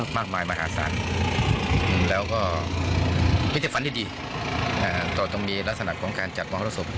มากมายมหาศาลแล้วก็ไม่ได้ฝันดีดีอ่าตรงต้องมีลักษณะของการจัดมหาวรสุทธิ์